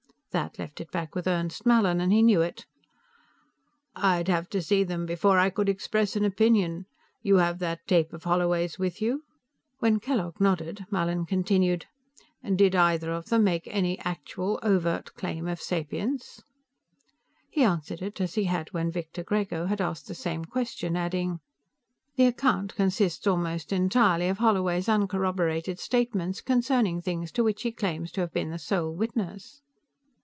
That left it back with Ernst Mallin, and he knew it. "I'd have to see them myself before I could express an opinion. You have that tape of Holloway's with you?" When Kellogg nodded, Mallin continued: "Did either of them make any actual, overt claim of sapience?" He answered it as he had when Victor Grego had asked the same question, adding: "The account consists almost entirely of Holloway's uncorroborated statements concerning things to which he claims to have been the sole witness."